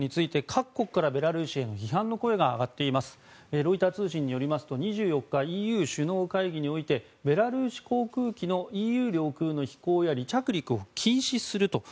ロイター通信によりますと２４日、ＥＵ首脳会議においてベラルーシ航空機のＥＵ領空の飛行や離着陸を禁止すると。